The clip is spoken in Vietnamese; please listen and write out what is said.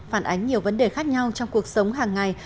phản ánh nhiều vấn đề khác nhau trong cuộc sống hàng ngày